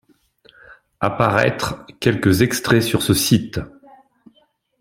À paraître, quelques extraits sur ce site!